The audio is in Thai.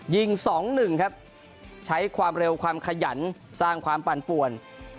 ยิง๒๑ครับใช้ความเร็วความขยันสร้างความปั่นป่วน